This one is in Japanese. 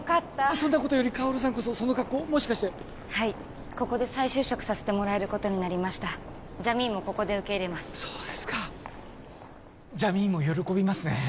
そんなことより薫さんこそその格好もしかしてはいここで再就職させてもらえることになりましたジャミーンもここで受け入れますそうですかジャミーンも喜びますね